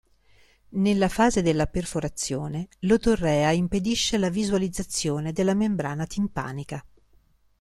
Nella fase della perforazione l'otorrea impedisce la visualizzazione della membrana timpanica.